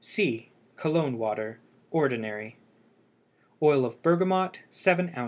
COLOGNE WATER (ORDINARY). Oil of bergamot 7 oz.